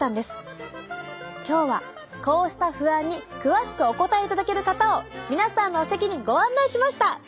今日はこうした不安に詳しくお答えいただける方を皆さんのお席にご案内しました。